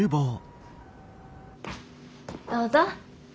どうぞ。